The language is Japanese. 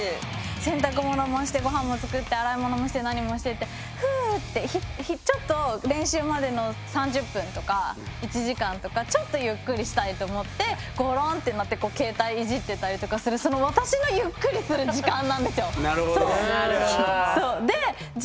洗濯物もして御飯も作って洗い物もして何もしてってふうってちょっと練習までの３０分とか１時間とかちょっとゆっくりしたいと思ってごろんってなって携帯いじってたりとかするなるほどね。